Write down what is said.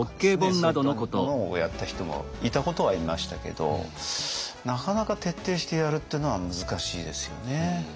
そういったものをやった人もいたことはいましたけどなかなか徹底してやるっていうのは難しいですよね。